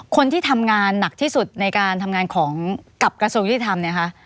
คนที่ทำงานหนักที่สุดในการทำงานกับกระทรูกธิธรรม